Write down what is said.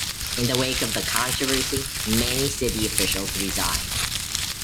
In the wake of the controversy, many city officials resigned.